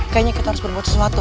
kayaknya kita harus berbuat sesuatu